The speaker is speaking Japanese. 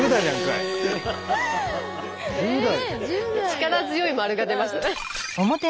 力強い丸が出ましたね。